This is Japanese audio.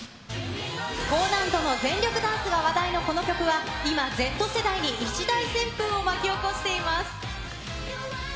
高難度の全力ダンスが話題のこの曲は、今、Ｚ世代に一大旋風を巻き起こしています。